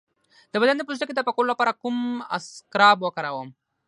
د بدن د پوستکي د پاکولو لپاره کوم اسکراب وکاروم؟